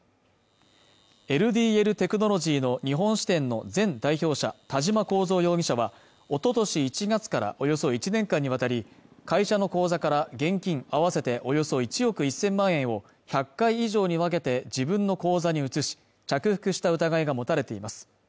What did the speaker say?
ＬＤＬテクノロジーの日本支店の前代表者田嶋幸三容疑者はおととし１月からおよそ１年間にわたり会社の口座から現金合わせておよそ１億１０００万円を１００回以上に分けて自分の口座に移し着服した疑いが持たれています